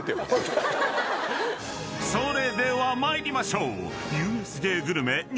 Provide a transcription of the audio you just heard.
［それでは参りましょう！］